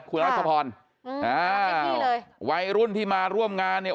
คุณรักษพนธ์เอ้าไว้รุ่นที่มาร่วมงานเนี้ย